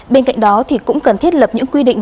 bên cạnh đó thì cũng cần thiết lập những quy định